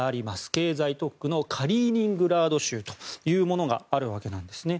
経済特区のカリーニングラード州というものがあるわけです。